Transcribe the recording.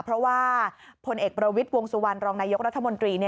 เพราะว่าผลเอกประวิทย์วงสุวรรณรองนายกรัฐมนตรี